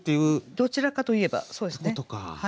どちらかといえばそうですね。